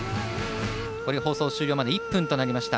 放送終了まで１分となりました。